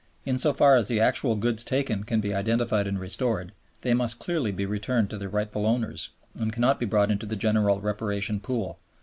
In so far as the actual goods taken can be identified and restored, they must clearly be returned to their rightful owners, and cannot be brought into the general reparation pool.